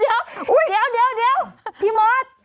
เดี๋ยวเดี๋ยวพี่มอช